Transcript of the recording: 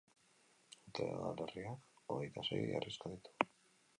Udalerriak hogeita sei herrixka ditu.